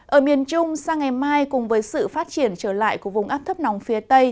ở miền trung sang ngày mai cùng với sự phát triển trở lại của vùng áp thấp nóng phía tây